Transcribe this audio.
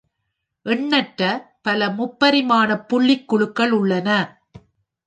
எண்ணற்ற பல முப்பரிமாண புள்ளி குழுக்கள் உள்ளன.